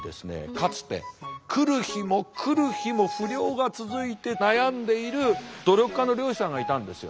かつて来る日も来る日も不漁が続いて悩んでいる努力家の漁師さんがいたんですよ。